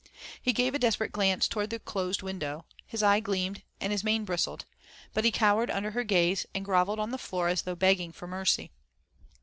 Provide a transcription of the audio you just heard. He gave a desperate glance toward the closed window. His eye gleamed, and his mane bristled. But he cowered under her gaze, and grovelled on the floor as though begging for mercy.